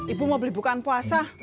ibu mau beli bukaan puasa